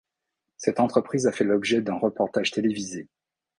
Cette entreprise a fait l'objet d'un reportage télévisé.